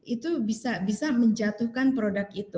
itu bisa menjatuhkan produk itu